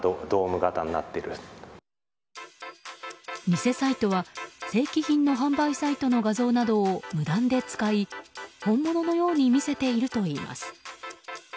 偽サイトは正規品の販売サイトの画像などを無断で使い本物のように見せているといいます。